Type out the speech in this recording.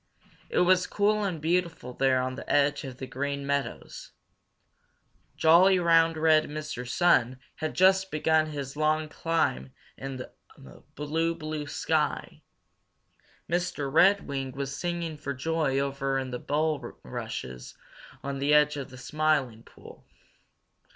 It was cool and beautiful there on the edge of the Green Meadows. Jolly, round, red Mr. Sun had just begun his long climb up in the blue, blue sky. Mr. Redwing was singing for joy over in the bulrushes on the edge of the Smiling Pool.